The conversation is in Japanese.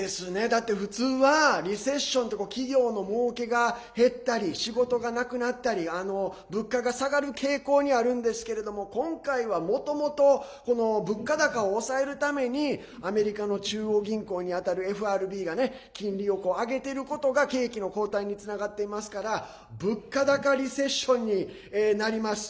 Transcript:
だって、普通はリセッションって企業のもうけが減ったり仕事がなくなったり物価が下がる傾向にあるんですけれども今回は、もともと物価高を抑えるためにアメリカの中央銀行に当たるＦＲＢが金利を上げてることが景気の後退につながっていますから物価高リセッションになります。